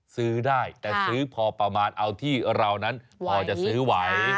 ซื้อได้แต่ซื้อพอประมาณเอาที่เรานั้นพอจะซื้อไหว